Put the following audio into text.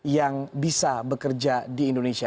yang bisa bekerja di indonesia